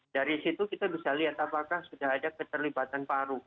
dari situ kita bisa lihat apakah sudah ada keterlibatan paru